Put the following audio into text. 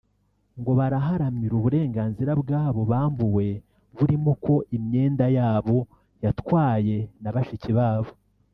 ngo baraharamira uburenganzira bw’abo bambuwe burimo ko imyenda yabo yatwaye n’abashiki babo